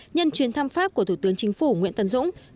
nhân chuyến thăm pháp của thủ tướng chính phủ nguyễn tân dũng